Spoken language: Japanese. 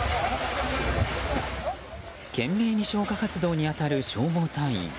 懸命に消火活動に当たる消防隊員。